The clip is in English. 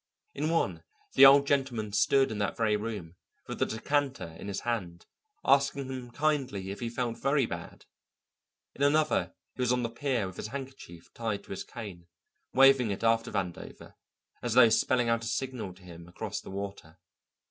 In one the Old Gentleman stood in that very room, with the decanter in his hand, asking him kindly if he felt very bad; in another he was on the pier with his handkerchief tied to his cane, waving it after Vandover as though spelling out a signal to him across the water.